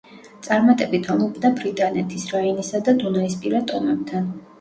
წარმატებით ომობდა ბრიტანეთის, რაინისა და დუნაისპირა ტომებთან.